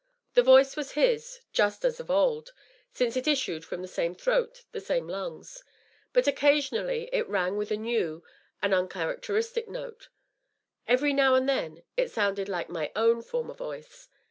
The voice was his, just as of old, since it issued from the same throat, the same lungs. But occasionally it rang with a new, an un characteristic note. Every now and then it sounded like my own former voice.